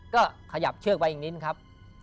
ก็ขยับเชือกไปอีกนิดนึงครับ